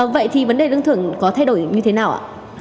vậy thì vấn đề lương thưởng có thay đổi như thế nào ạ